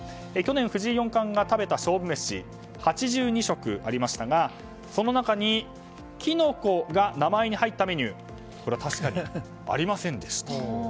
去年、藤井四冠が食べた勝負メシ８２食ありましたがその中にキノコが名前に入ったメニューは確かにありませんでした。